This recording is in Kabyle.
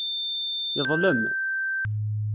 Yeḍlem.